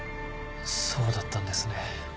そうだったんですね。